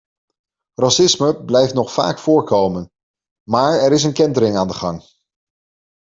Racisme blijft nog vaak voorkomen, maar er is een kentering aan de gang.